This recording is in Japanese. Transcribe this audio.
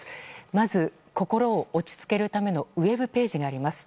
まず心を落ち着けるためのウェブページがあります。